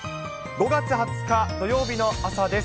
５月２０日土曜日の朝です。